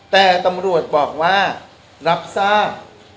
แต่ตำรวจบอกว่ารับทราบ